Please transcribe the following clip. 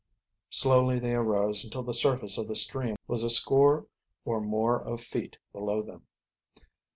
Slowly they arose until the surface of the stream was a score or more of feet below them.